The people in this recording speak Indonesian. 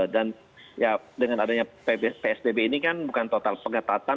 ya dengan adanya psbb ini kan bukan total pengetatan